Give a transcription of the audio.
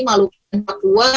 maluku dan papua